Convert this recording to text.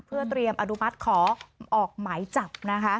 เพื่อเตรียมอดุมัติขอออกไหมจับ